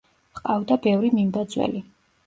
ჰყავდა ბევრი მიმბაძველი.